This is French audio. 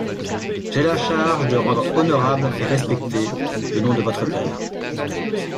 J'ai la charge de rendre honorable et respecté le nom de votre père.